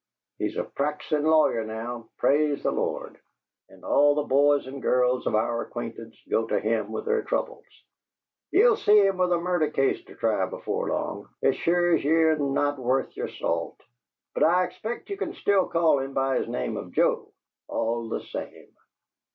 He's a practisin' lawyer now, praise the Lord! And all the boys and girls of our acquaintance go to him with their troubles. Ye'll see him with a murder case to try before long, as sure as ye're not worth yer salt! But I expect ye can still call him by his name of Joe, all the same!"